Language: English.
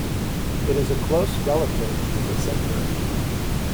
It is a close relative to the sinker.